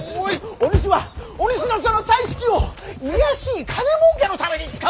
お主はお主のその才識を卑しい金もうけのために使うつもりか！